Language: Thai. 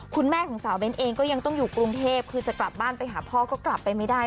คุณแม่ของสาวเบ้นเองก็ยังต้องอยู่กรุงเทพคือจะกลับบ้านไปหาพ่อก็กลับไปไม่ได้